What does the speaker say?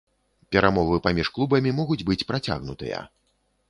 Перамовы паміж клубамі могуць быць працягнутыя.